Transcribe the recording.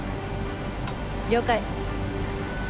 了解。